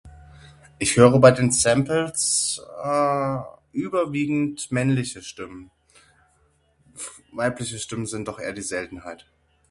Ich höre bei den Samples eh überwiegend männliche Stimmen. Weibliche Stimmen sind doch eher die Seltenheit.